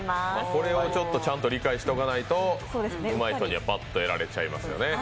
これはちょっとちゃんと理解しておかないとうまい人にはぱっとやられちゃいますね。